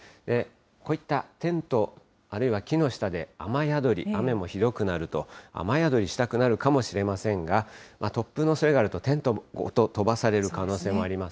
こういったテント、あるいは木の下で雨宿り、雨もひどくなると雨宿りしたくなるかもしれませんが、突風のおそれがあると、テントごと飛ばされる可能性もあります。